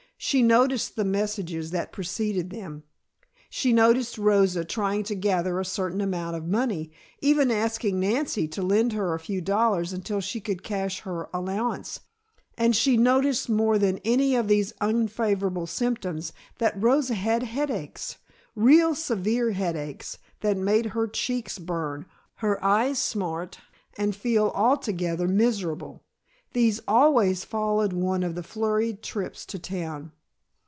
She noticed the messages that preceded them, she noticed Rosa trying to gather a certain amount of money, even asking Nancy to lend her a few dollars until she could cash her allowance, and she noticed more than any of these unfavorable symptoms, that Rosa had headaches, real severe headaches that made her cheeks burn, her eyes smart and feel altogether miserable these always followed one of the flurried trips to town.